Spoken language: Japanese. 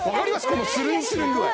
このスルンスルン具合